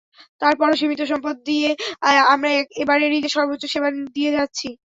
তার পরও সীমিত সম্পদ দিয়ে আমরা এবারের ঈদে সর্বোচ্চ সেবা দিয়ে যাচ্ছি।